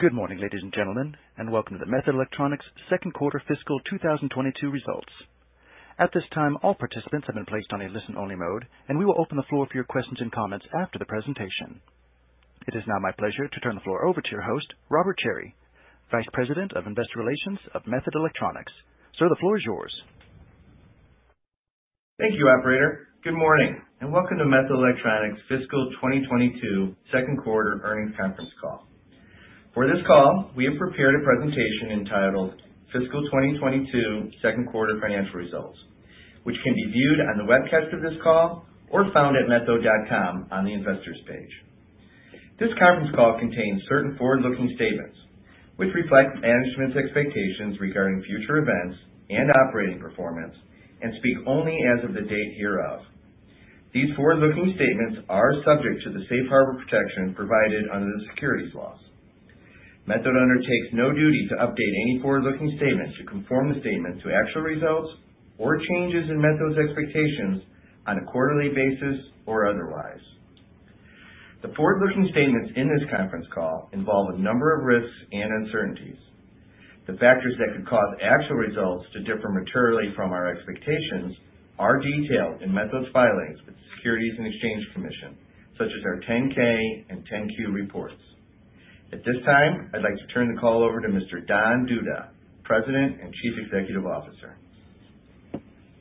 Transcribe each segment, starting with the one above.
Good morning, ladies and gentlemen, and welcome to the Methode Electronics second quarter fiscal 2022 results. At this time, all participants have been placed on a listen-only mode, and we will open the floor for your questions and comments after the presentation. It is now my pleasure to turn the floor over to your host, Robert Cherry, Vice President of Investor Relations of Methode Electronics. Sir, the floor is yours. Thank you, operator. Good morning, and welcome to Methode Electronics fiscal 2022 second quarter earnings conference call. For this call, we have prepared a presentation entitled Fiscal 2022 Second Quarter Financial Results, which can be viewed on the webcast of this call or found at methode.com on the Investors page. This conference call contains certain forward-looking statements which reflect management's expectations regarding future events and operating performance and speak only as of the date hereof. These forward-looking statements are subject to the safe harbor protection provided under the securities laws. Methode undertakes no duty to update any forward-looking statements to conform the statement to actual results or changes in Methode's expectations on a quarterly basis or otherwise. The forward-looking statements in this conference call involve a number of risks and uncertainties. The factors that could cause actual results to differ materially from our expectations are detailed in Methode's filings with the Securities and Exchange Commission, such as our 10-K and 10-Q reports. At this time, I'd like to turn the call over to Mr. Don Duda, President and Chief Executive Officer.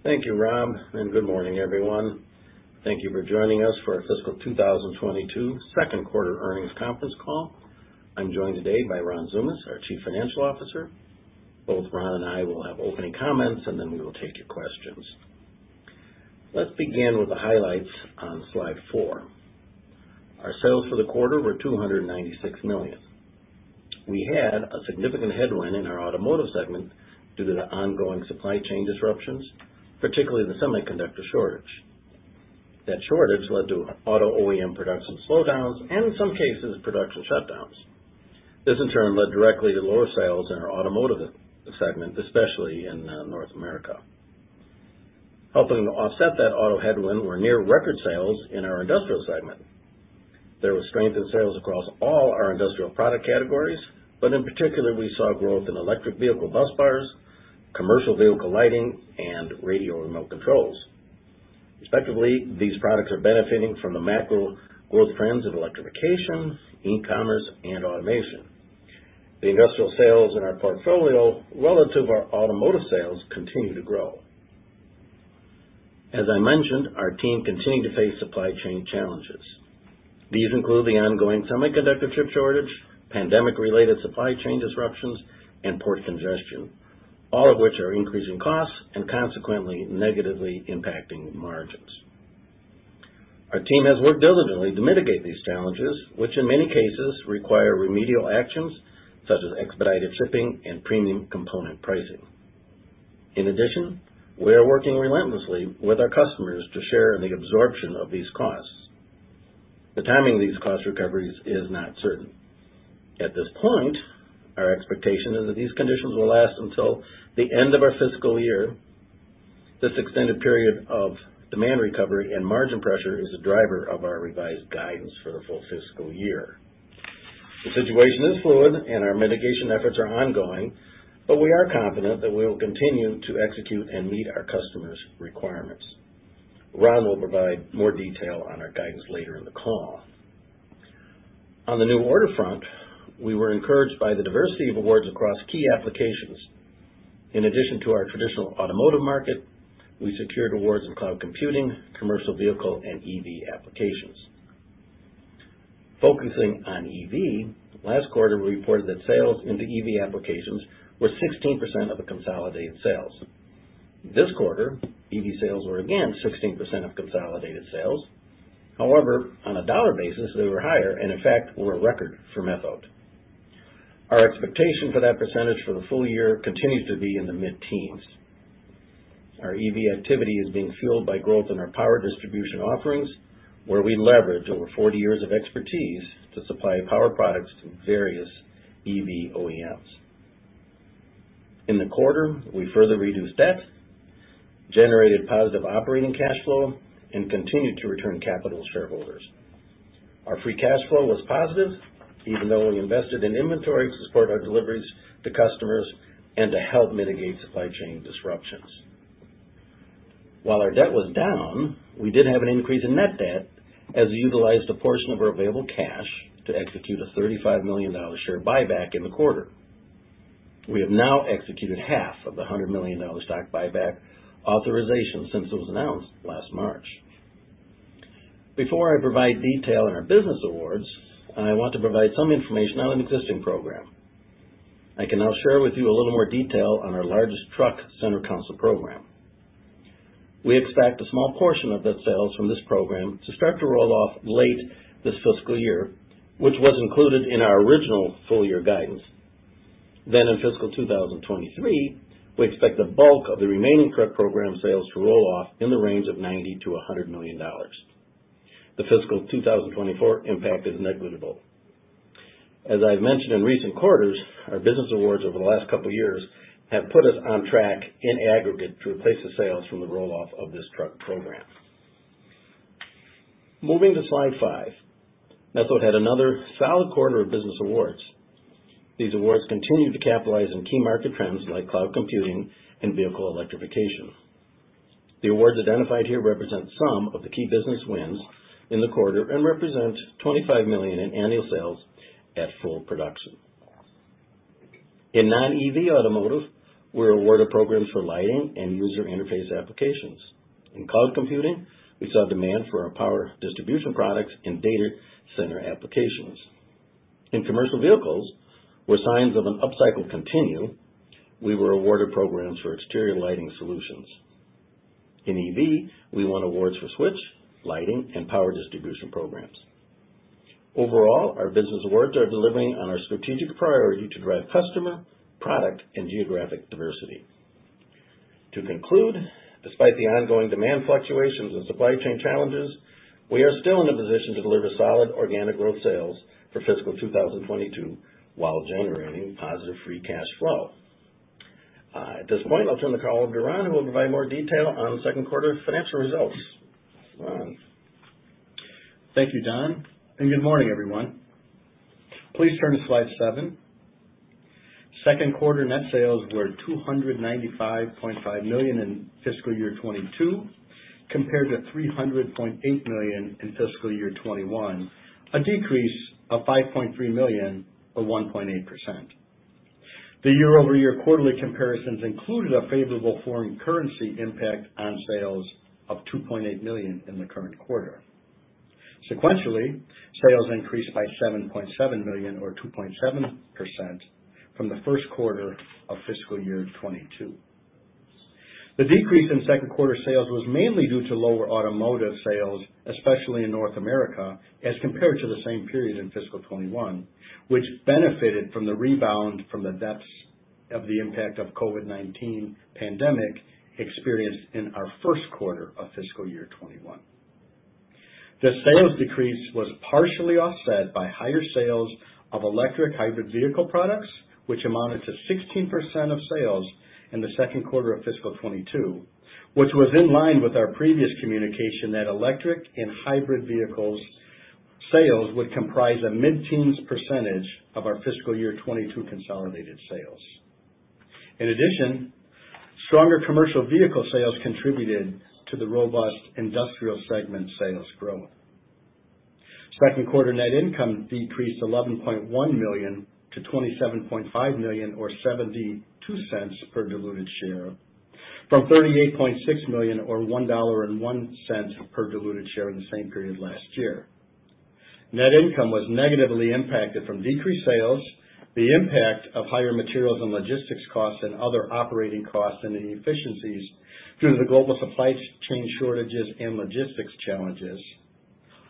Thank you, Rob, and good morning, everyone. Thank you for joining us for our fiscal 2022 second quarter earnings conference call. I'm joined today by Ron Tsoumas, our Chief Financial Officer. Both Ron and I will have opening comments, and then we will take your questions. Let's begin with the highlights on slide four. Our sales for the quarter were $296 million. We had a significant headwind in our Automotive segment due to the ongoing supply chain disruptions, particularly the semiconductor shortage. That shortage led to auto OEM production slowdowns and in some cases, production shutdowns. This, in turn, led directly to lower sales in our Automotive segment, especially in North America. Helping to offset that auto headwind were near record sales in our Industrial segment. There was strength in sales across all our Industrial product categories, but in particular, we saw growth in electric vehicle busbars, commercial vehicle lighting, and radio remote controls. Respectively, these products are benefiting from the macro growth trends of electrification, e-commerce, and automation. The Industrial sales in our portfolio, relative to our Automotive sales, continue to grow. As I mentioned, our team continued to face supply chain challenges. These include the ongoing semiconductor chip shortage, pandemic-related supply chain disruptions, and port congestion, all of which are increasing costs and consequently negatively impacting margins. Our team has worked diligently to mitigate these challenges, which in many cases require remedial actions such as expedited shipping and premium component pricing. In addition, we are working relentlessly with our customers to share in the absorption of these costs. The timing of these cost recoveries is not certain. At this point, our expectation is that these conditions will last until the end of our fiscal year. This extended period of demand recovery and margin pressure is a driver of our revised guidance for the full fiscal year. The situation is fluid, and our mitigation efforts are ongoing, but we are confident that we will continue to execute and meet our customers' requirements. Ron will provide more detail on our guidance later in the call. On the new order front, we were encouraged by the diversity of awards across key applications. In addition to our traditional Automotive market, we secured awards in cloud computing, commercial vehicle, and EV applications. Focusing on EV, last quarter, we reported that sales into EV applications were 16% of the consolidated sales. This quarter, EV sales were again 16% of consolidated sales. However, on a dollar basis, they were higher and in fact were a record for Methode. Our expectation for that percentage for the full year continues to be in the mid-teens%. Our EV activity is being fueled by growth in our power distribution offerings, where we leverage over 40 years of expertise to supply power products to various EV OEMs. In the quarter, we further reduced debt, generated positive operating cash flow, and continued to return capital to shareholders. Our free cash flow was positive, even though we invested in inventory to support our deliveries to customers and to help mitigate supply chain disruptions. While our debt was down, we did have an increase in net debt as we utilized a portion of our available cash to execute a $35 million share buyback in the quarter. We have now executed half of the $100 million stock buyback authorization since it was announced last March. Before I provide detail on our business awards, I want to provide some information on an existing program. I can now share with you a little more detail on our largest truck center console program. We expect a small portion of the sales from this program to start to roll off late this fiscal year, which was included in our original full-year guidance. In fiscal 2023, we expect the bulk of the remaining truck program sales to roll off in the range of $90 million-$100 million. The fiscal 2024 impact is negligible. As I've mentioned in recent quarters, our business awards over the last couple years have put us on track in aggregate to replace the sales from the roll-off of this truck program. Moving to slide five. Methode had another solid quarter of business awards. These awards continue to capitalize on key market trends like cloud computing and vehicle electrification. The awards identified here represent some of the key business wins in the quarter and represents $25 million in annual sales at full production. In non-EV automotive, we're awarded programs for lighting and user interface applications. In cloud computing, we saw demand for our power distribution products in data center applications. In commercial vehicles, where signs of an upcycle continue, we were awarded programs for exterior lighting solutions. In EV, we won awards for switch, lighting, and power distribution programs. Overall, our business awards are delivering on our strategic priority to drive customer, product, and geographic diversity. To conclude, despite the ongoing demand fluctuations and supply chain challenges, we are still in a position to deliver solid organic growth sales for fiscal 2022 while generating positive free cash flow. At this point, I'll turn to Ron Tsoumas, who will provide more detail on second quarter financial results. Ron. Thank you, Don, and good morning, everyone. Please turn to slide seven. Second quarter net sales were $295.5 million in fiscal year 2022 compared to $300.8 million in fiscal year 2021, a decrease of $5.3 million or 1.8%. The year-over-year quarterly comparisons included a favorable foreign currency impact on sales of $2.8 million in the current quarter. Sequentially, sales increased by $7.7 million or 2.7% from the first quarter of fiscal year 2022. The decrease in second quarter sales was mainly due to lower automotive sales, especially in North America, as compared to the same period in fiscal 2021, which benefited from the rebound from the depths of the impact of COVID-19 pandemic experienced in our first quarter of fiscal year 2021. The sales decrease was partially offset by higher sales of electric hybrid vehicle products, which amounted to 16% of sales in the second quarter of fiscal 2022, which was in line with our previous communication that electric and hybrid vehicles sales would comprise a mid-teens percentage of our fiscal year 2022 consolidated sales. In addition, stronger commercial vehicle sales contributed to the robust industrial segment sales growth. Second quarter net income decreased $11.1 million-$27.5 million or $0.72 per diluted share from $38.6 million or $1.01 per diluted share in the same period last year. Net income was negatively impacted from decreased sales, the impact of higher materials and logistics costs and other operating costs and inefficiencies due to the global supply chain shortages and logistics challenges,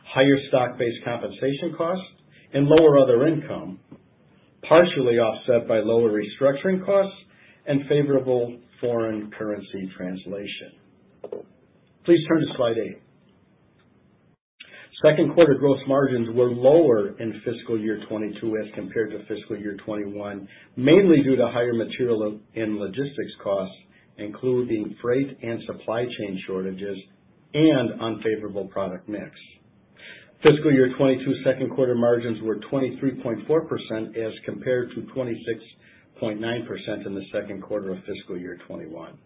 higher stock-based compensation costs, and lower other income, partially offset by lower restructuring costs and favorable foreign currency translation. Please turn to slide eight. Second quarter gross margins were lower in fiscal year 2022 as compared to fiscal year 2021, mainly due to higher material and logistics costs, including freight and supply chain shortages and unfavorable product mix. Fiscal year 2022 second quarter margins were 23.4% as compared to 26.9% in the second quarter of fiscal year 2021.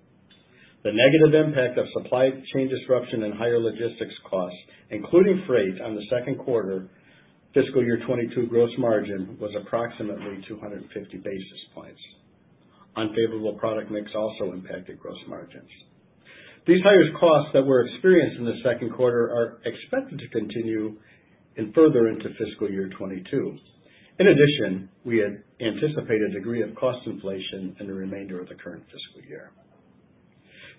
The negative impact of supply chain disruption and higher logistics costs, including freight on the second quarter fiscal year 2022 gross margin was approximately 250 basis points. Unfavorable product mix also impacted gross margins. These higher costs that were experienced in the second quarter are expected to continue further into fiscal year 2022. In addition, we anticipate a degree of cost inflation in the remainder of the current fiscal year.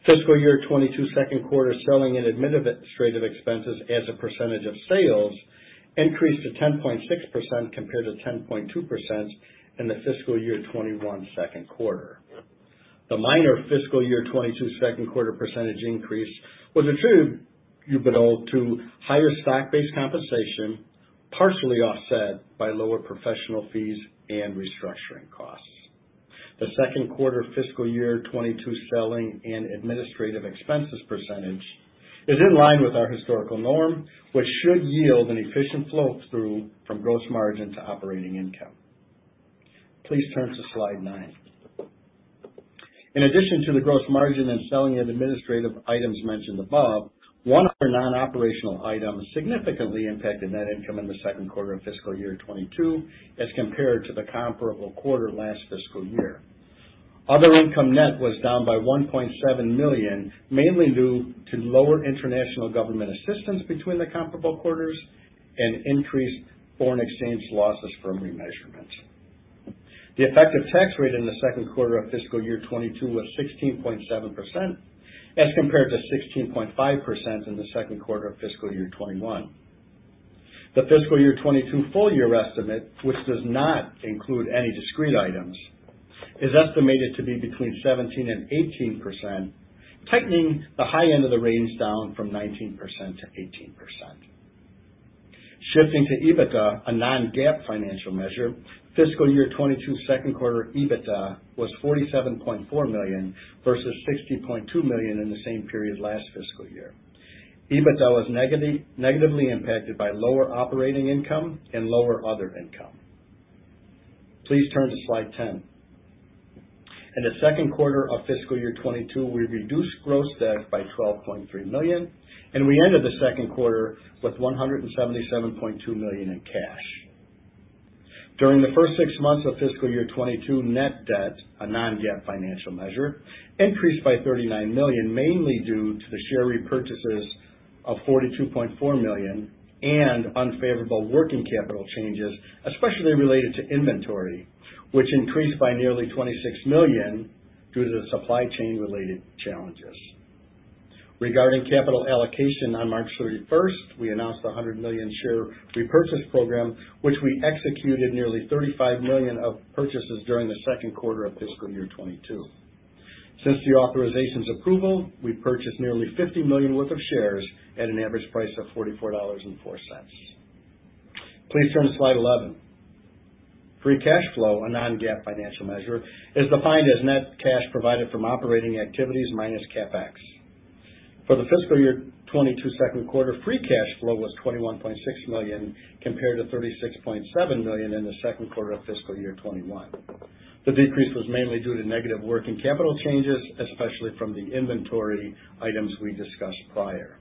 Fiscal year 2022 second quarter selling and administrative expenses as a percentage of sales increased to 10.6% compared to 10.2% in the fiscal year 2021 second quarter. The minor fiscal year 2022 second quarter percentage increase was attributable to higher stock-based compensation, partially offset by lower professional fees and restructuring costs. The second quarter fiscal year 2022 selling and administrative expenses percentage is in line with our historical norm, which should yield an efficient flow through from gross margin to operating income. Please turn to slide 9. In addition to the gross margin and selling and administrative items mentioned above, one other non-operational item significantly impacted net income in the second quarter of fiscal year 2022 as compared to the comparable quarter last fiscal year. Other income net was down by $1.7 million, mainly due to lower international government assistance between the comparable quarters and increased foreign exchange losses from remeasurements. The effective tax rate in the second quarter of fiscal year 2022 was 16.7% as compared to 16.5% in the second quarter of fiscal year 2021. The fiscal year 2022 full year estimate, which does not include any discrete items, is estimated to be between 17% and 18%, tightening the high end of the range down from 19%-18%. Shifting to EBITDA, a non-GAAP financial measure, fiscal year 2022 second quarter EBITDA was $47.4 million versus $60.2 million in the same period last fiscal year. EBITDA was negatively impacted by lower operating income and lower other income. Please turn to slide 10. In the second quarter of fiscal year 2022, we reduced gross debt by $12.3 million, and we ended the second quarter with $177.2 million in cash. During the first six months of fiscal year 2022, net debt, a non-GAAP financial measure, increased by $39 million, mainly due to the share repurchases of $42.4 million and unfavorable working capital changes, especially related to inventory, which increased by nearly $26 million due to the supply chain related challenges. Regarding capital allocation, on March 31st, we announced a $100 million share repurchase program, which we executed nearly $35 million of purchases during the second quarter of fiscal year 2022. Since the authorization's approval, we purchased nearly $50 million worth of shares at an average price of $44.04. Please turn to slide 11. Free cash flow, a non-GAAP financial measure, is defined as net cash provided from operating activities minus CapEx. For the fiscal year 2022 second quarter, free cash flow was $21.6 million compared to $36.7 million in the second quarter of fiscal year 2021. The decrease was mainly due to negative working capital changes, especially from the inventory items we discussed prior.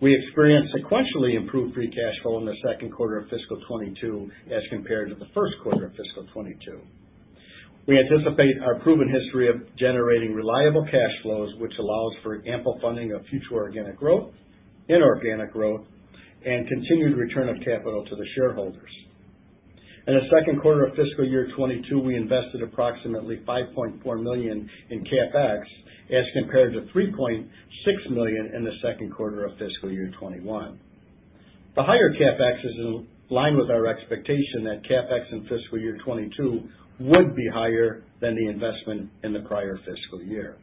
We experienced sequentially improved free cash flow in the second quarter of fiscal 2022 as compared to the first quarter of fiscal 2022. We anticipate our proven history of generating reliable cash flows, which allows for ample funding of future organic growth, inorganic growth, and continued return of capital to the shareholders. In the second quarter of fiscal year 2022, we invested approximately $5.4 million in CapEx as compared to $3.6 million in the second quarter of fiscal year 2021. The higher CapEx is in line with our expectation that CapEx in fiscal year 2022 would be higher than the investment in the prior fiscal year.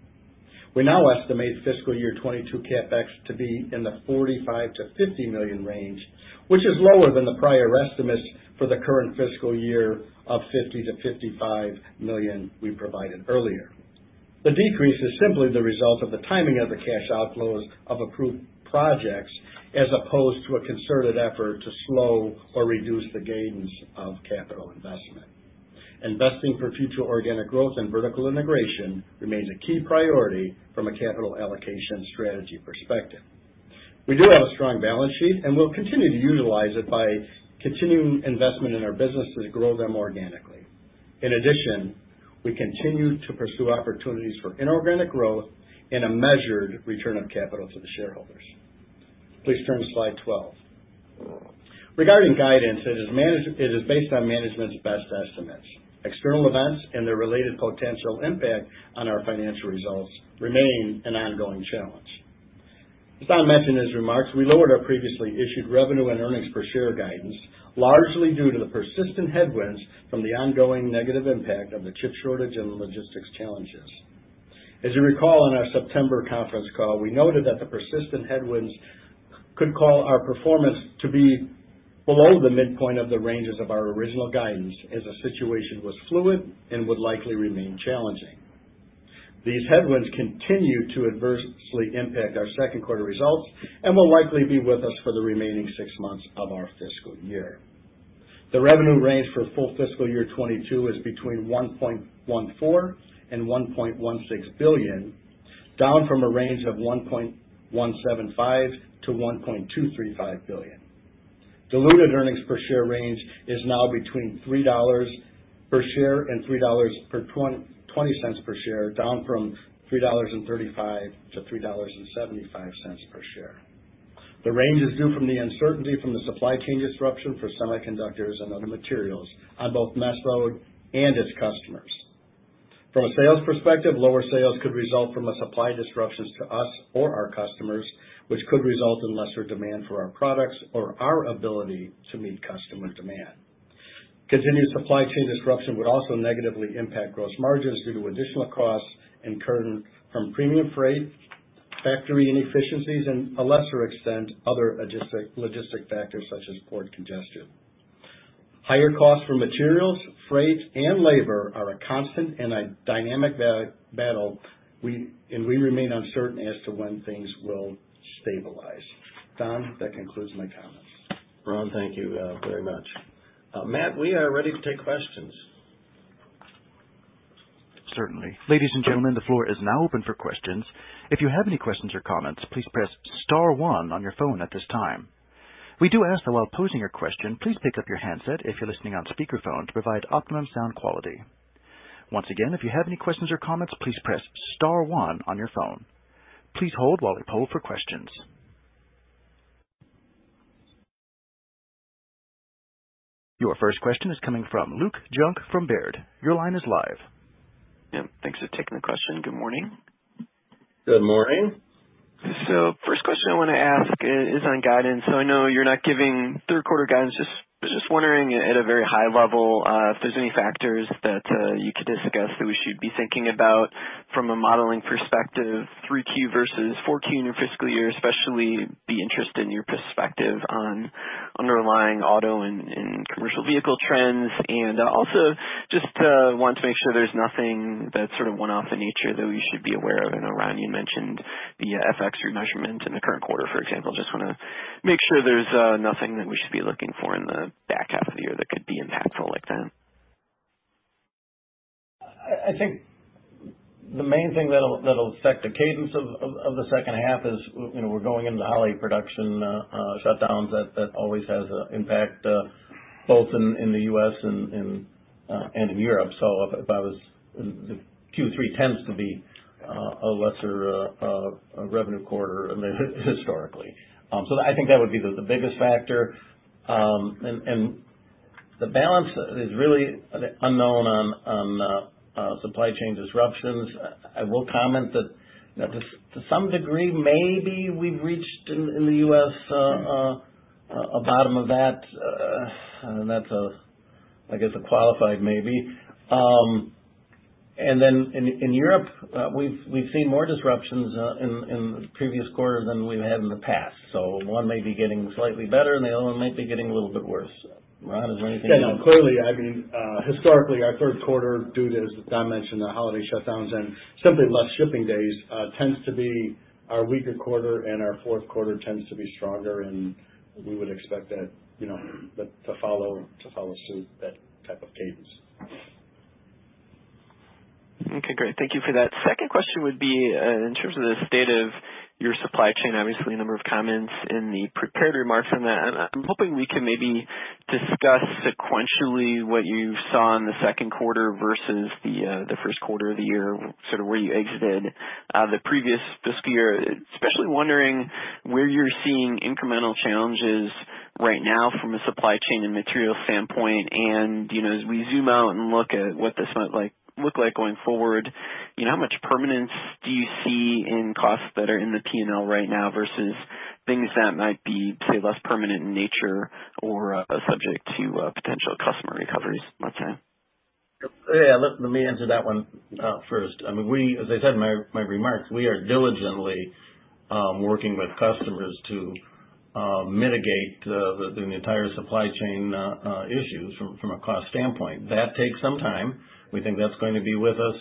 We now estimate fiscal year 2022 CapEx to be in the $45 million-$50 million range, which is lower than the prior estimates for the current fiscal year of $50 million-$55 million we provided earlier. The decrease is simply the result of the timing of the cash outflows of approved projects, as opposed to a concerted effort to slow or reduce the gains of capital investment. Investing for future organic growth and vertical integration remains a key priority from a capital allocation strategy perspective. We do have a strong balance sheet, and we'll continue to utilize it by continuing investment in our business to grow them organically. In addition, we continue to pursue opportunities for inorganic growth and a measured return of capital to the shareholders. Please turn to slide 12. Regarding guidance, it is based on management's best estimates. External events and their related potential impact on our financial results remain an ongoing challenge. As Don mentioned his remarks, we lowered our previously issued revenue and earnings per share guidance, largely due to the persistent headwinds from the ongoing negative impact of the chip shortage and logistics challenges. As you recall, on our September conference call, we noted that the persistent headwinds could call our performance to be below the midpoint of the ranges of our original guidance, as the situation was fluid and would likely remain challenging. These headwinds continue to adversely impact our second quarter results and will likely be with us for the remaining six months of our fiscal year. The revenue range for full fiscal year 2022 is between $1.14 billion and $1.16 billion, down from a range of $1.175 billion-$1.235 billion. Diluted earnings per share range is now between $3 per share and $3.20 per share, down from $3.35-$3.75 per share. The range is due to the uncertainty from the supply chain disruption for semiconductors and other materials on both Methode and its customers. From a sales perspective, lower sales could result from supply disruptions to us or our customers, which could result in lesser demand for our products or our ability to meet customer demand. Continued supply chain disruption would also negatively impact gross margins due to additional costs incurred from premium freight, factory inefficiencies, and to a lesser extent other logistic factors such as port congestion. Higher costs for materials, freight, and labor are a constant and a dynamic battle and we remain uncertain as to when things will stabilize. Don, that concludes my comments. Ron, thank you, very much. Matt, we are ready to take questions. Certainly. Ladies and gentlemen, the floor is now open for questions. If you have any questions or comments, please press star one on your phone at this time. We do ask that while posing your question, please pick up your handset if you're listening on speakerphone to provide optimum sound quality. Once again, if you have any questions or comments, please press star one on your phone. Please hold while we poll for questions. Your first question is coming from Luke Junk from Baird. Your line is live. Yeah. Thanks for taking the question. Good morning. Good morning. First question I wanna ask is on guidance. I know you're not giving third quarter guidance. Just was just wondering at a very high level, if there's any factors that you could discuss that we should be thinking about from a modeling perspective, 3Q versus 4Q in your fiscal year especially, be interested in your perspective on. Underlying auto and commercial vehicle trends. Also just wanted to make sure there's nothing that's sort of one-off in nature that we should be aware of. I know, Ron, you'd mentioned the FX remeasurement in the current quarter, for example. Just wanna make sure there's nothing that we should be looking for in the back half of the year that could be impactful like that. I think the main thing that'll affect the cadence of the second half is, you know, we're going into holiday production shutdowns. That always has an impact both in the U.S. and in Europe. The Q3 tends to be a lesser revenue quarter, I mean, historically. I think that would be the biggest factor. The balance is really unknown on supply chain disruptions. I will comment that, you know, to some degree, maybe we've reached in the U.S. a bottom of that. That's a, I guess, a qualified maybe. In Europe, we've seen more disruptions in the previous quarter than we've had in the past. One may be getting slightly better and the other one might be getting a little bit worse. Ron, is there anything. Yeah, no, clearly, I mean, historically, our third quarter due to, as Don mentioned, the holiday shutdowns and simply less shipping days, tends to be our weaker quarter, and our fourth quarter tends to be stronger. We would expect that, you know, to follow suit that type of cadence. Okay, great. Thank you for that. Second question would be, in terms of the state of your supply chain, obviously a number of comments in the prepared remarks on that. I'm hoping we can maybe discuss sequentially what you saw in the second quarter versus the first quarter of the year, sort of where you exited the previous fiscal year. Especially wondering where you're seeing incremental challenges right now from a supply chain and material standpoint. You know, as we zoom out and look at what this might look like going forward, you know, how much permanence do you see in costs that are in the P&L right now versus things that might be, say, less permanent in nature or subject to potential customer recoveries? One sec. Yeah, let me answer that one first. I mean, we, as I said in my remarks, we are diligently working with customers to mitigate the entire supply chain issues from a cost standpoint. That takes some time. We think that's going to be with us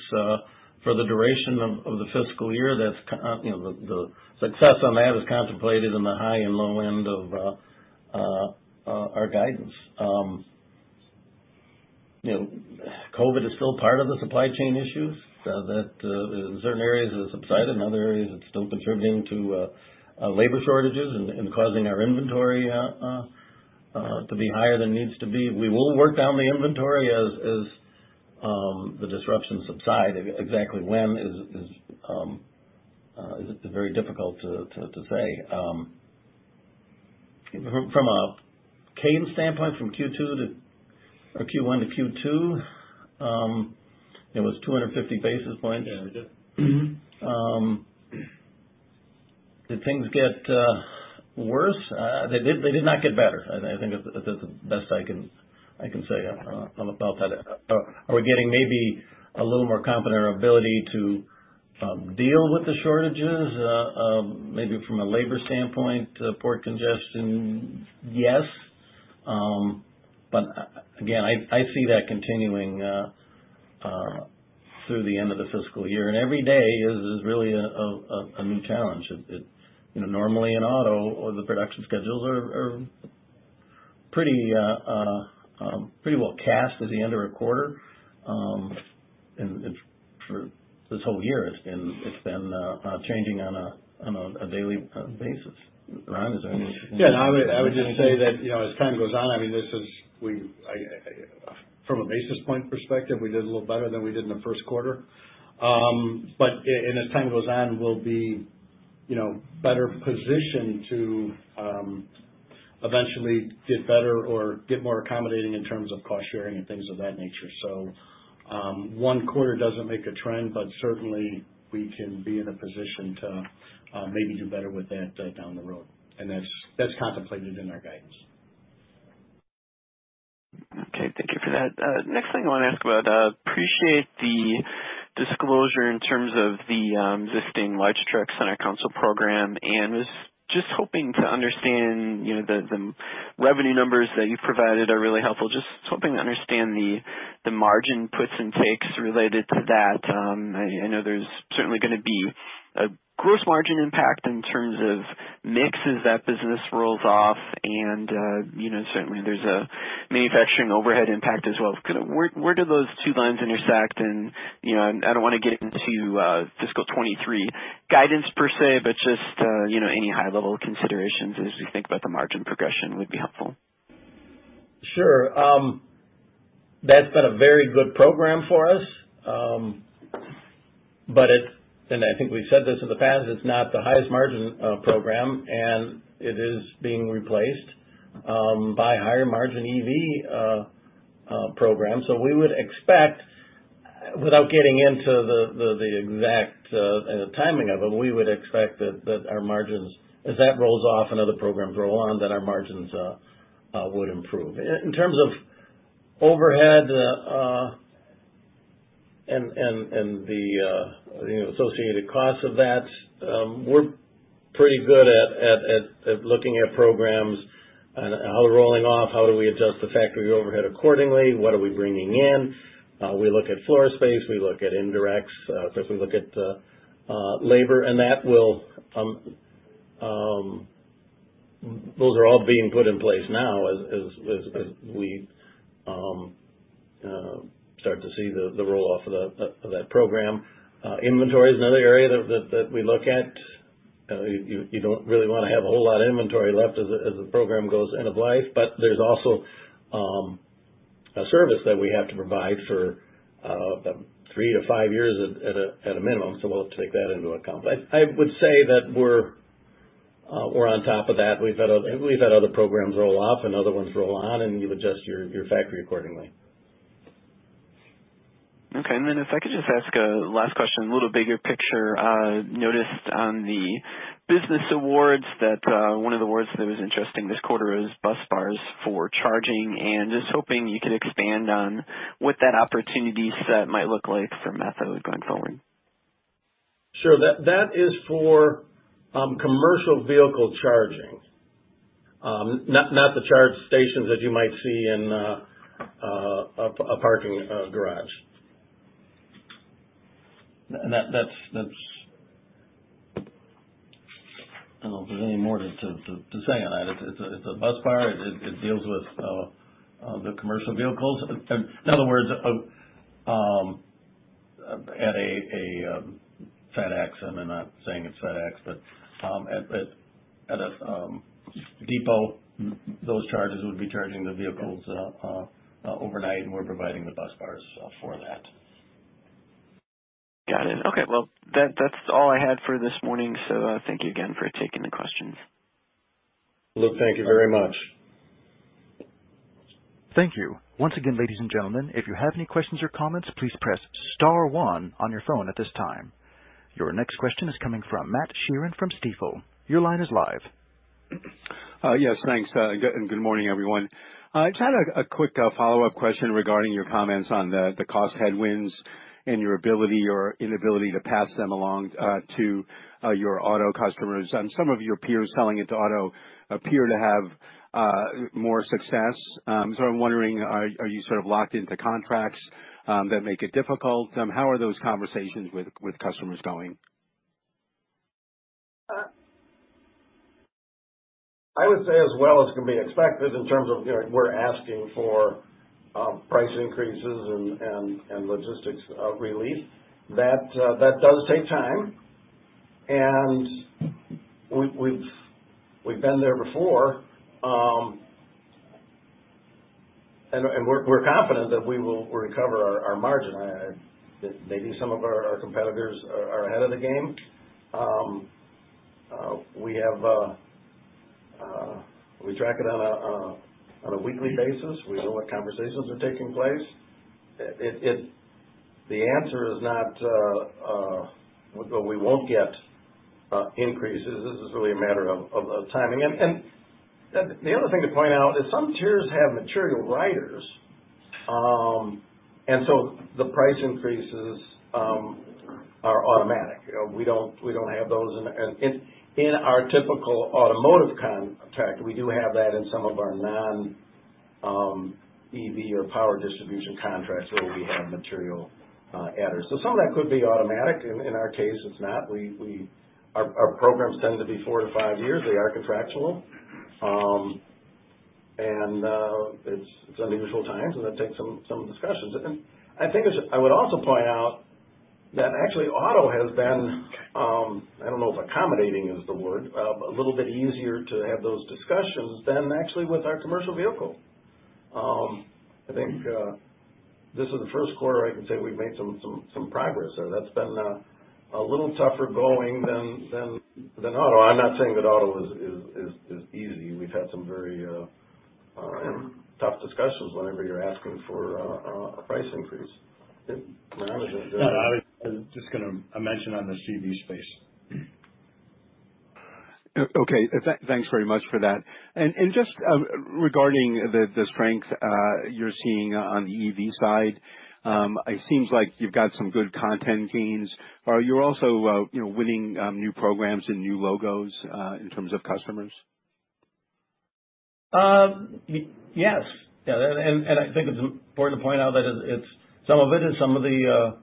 for the duration of the fiscal year. That's you know the success on that is contemplated in the high and low end of our guidance. You know, COVID is still part of the supply chain issues that in certain areas it has subsided, in other areas it's still contributing to labor shortages and causing our inventory to be higher than it needs to be. We will work down the inventory as the disruptions subside. Exactly when is very difficult to say. From a cadence standpoint, from Q2 to or Q1 to Q2, it was 250 basis points. Yeah, it did. Did things get worse? They did not get better. I think is the best I can say about that. Are we getting maybe a little more confident in our ability to deal with the shortages, maybe from a labor standpoint, port congestion? Yes. Again, I see that continuing through the end of the fiscal year. Every day is really a new challenge. It you know normally in auto or the production schedules are pretty well cast at the end of 1/4. It's for this whole year it's been changing on a daily basis. Ron, is there anything you can Yeah, no, I would just say that, you know, as time goes on, I mean, from a basis point perspective, we did a little better than we did in the first quarter. But as time goes on, we'll be, you know, better positioned to eventually get better or get more accommodating in terms of cost sharing and things of that nature. So, one quarter doesn't make a trend, but certainly we can be in a position to maybe do better with that down the road. That's contemplated in our guidance. Okay. Thank you for that. Next thing I wanna ask about, appreciate the disclosure in terms of the existing large truck center console program, and was just hoping to understand, you know, the revenue numbers that you've provided are really helpful. Just was hoping to understand the margin puts and takes related to that. I know there's certainly gonna be a gross margin impact in terms of mix as that business rolls off. You know, certainly there's a manufacturing overhead impact as well. Kinda where do those two lines intersect? You know, I don't wanna get into fiscal 2023 guidance per se, but just you know, any high level considerations as we think about the margin progression would be helpful. Sure. That's been a very good program for us. I think we've said this in the past, it's not the highest margin program, and it is being replaced by higher margin EV programs. We would expect, without getting into the exact timing of them, we would expect that our margins, as that rolls off and other programs roll on, that our margins would improve. In terms of overhead and the, you know, associated costs of that, we're pretty good at looking at programs and how we're rolling off, how do we adjust the factory overhead accordingly? What are we bringing in? We look at floor space, we look at indirects, of course, we look at labor. That will. Those are all being put in place now as we start to see the roll-off of that program. Inventory is another area that we look at. You don't really wanna have a whole lot of inventory left as the program goes end of life, but there's also a service that we have to provide for three-five years at a minimum, so we'll take that into account. I would say that we're on top of that. We've had other programs roll off and other ones roll on, and you adjust your factory accordingly. Okay. If I could just ask a last question, a little bigger picture. Noticed on the business awards that one of the awards that was interesting this quarter is bus bars for charging, and just hoping you could expand on what that opportunity set might look like for Methode going forward. Sure. That is for commercial vehicle charging. Not the charging stations that you might see in a parking garage. That's. I don't know if there's any more to say on that. It's a bus bar. It deals with the commercial vehicles. In other words, at a FedEx, and I'm not saying it's FedEx, but at a depot, those chargers would be charging the vehicles overnight, and we're providing the bus bars for that. Got it. Okay. Well, that's all I had for this morning, so, thank you again for taking the questions. Luke, thank you very much. Your next question is coming from Matt Sheerin from Stifel. Your line is live. Yes, thanks, good morning, everyone. Just had a quick follow-up question regarding your comments on the cost headwinds and your ability or inability to pass them along to your auto customers. Some of your peers selling into auto appear to have more success. I'm wondering, are you sort of locked into contracts that make it difficult? How are those conversations with customers going? I would say as well as can be expected in terms of, you know, we're asking for price increases and logistics relief. That does take time. We've been there before. We're confident that we will recover our margin. Maybe some of our competitors are ahead of the game. We track it on a weekly basis. We know what conversations are taking place. It. The answer is not, well, we won't get increases. This is really a matter of timing. The other thing to point out is some tiers have material riders. The price increases are automatic. We don't have those in. In our typical automotive contract, we do have that in some of our non-EV or power distribution contracts where we have material adders. Some of that could be automatic. In our case, it's not. Our programs tend to be four-five years. They are contractual. It's unusual times, and that takes some discussions. I would also point out that actually auto has been, I don't know if accommodating is the word, but a little bit easier to have those discussions than actually with our commercial vehicle. I think this is the first quarter I can say we've made some progress there. That's been a little tougher going than auto. I'm not saying that auto is easy. We've had some very tough discussions whenever you're asking for a price increase. Yeah. No, I was just gonna mention on the CV space. Okay. Thanks very much for that. Just regarding the strength you're seeing on the EV side, it seems like you've got some good content gains. Are you also you know, winning new programs and new logos in terms of customers? Yes. Yeah, I think it's important to point out that it's some of the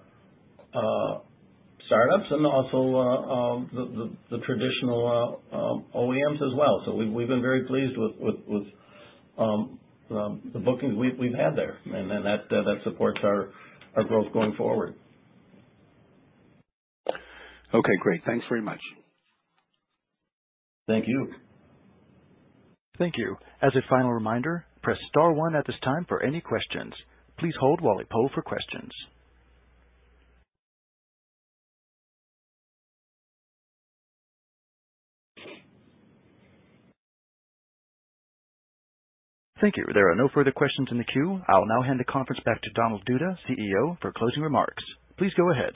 startups and also the traditional OEMs as well. We've been very pleased with the bookings we've had there. That supports our growth going forward. Okay, great. Thanks very much. Thank you. Thank you. As a final reminder, press star one at this time for any questions. Please hold while we poll for questions. Thank you. There are no further questions in the queue. I'll now hand the conference back to Donald Duda, CEO, for closing remarks. Please go ahead.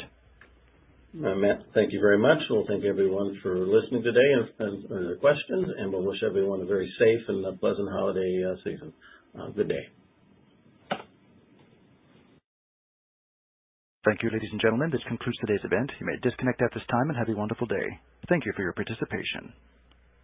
Matt, thank you very much. Well, thank everyone for listening today and your questions, and we'll wish everyone a very safe and a pleasant holiday season. Good day. Thank you, ladies and gentlemen. This concludes today's event. You may disconnect at this time, and have a wonderful day. Thank you for your participation.